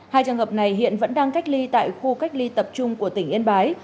hai trường hợp này hiện vẫn đang cách ly tại khu cách ly tập trung của tỉnh yên bái